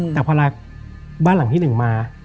แต่พอละบ้านร้างที่๑มา